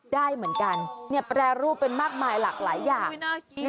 ได้เหมือนกันแปรรูปเป็นมากมายหลากหลายอย่าง